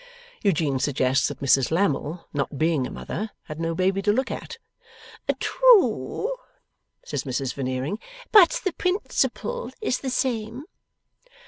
Eugene suggests that Mrs Lammle, not being a mother, had no baby to look at. 'True,' says Mrs Veneering, 'but the principle is the same.